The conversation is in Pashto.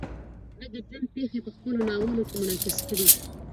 هغې د ژوند پېښې په خپلو ناولونو کې منعکس کړې.